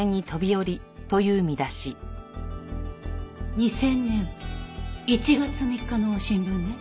２０００年１月３日の新聞ね。